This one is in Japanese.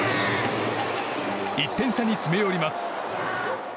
１点差に詰め寄ります。